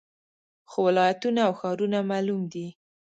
خو ولایتونه او ښارونه معلوم دي